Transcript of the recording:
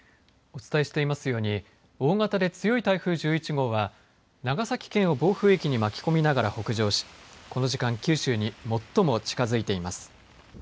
お伝えしていますように大型で強い台風１１号は長崎県を暴風域に巻き込みながら北上しこの時間九州に最も近づいています。